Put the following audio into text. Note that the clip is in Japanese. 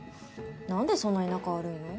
何でそんなに仲悪いの？